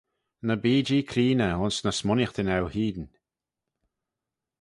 Ny bee-jee creeney ayns ny smooinaghtyn eu hene.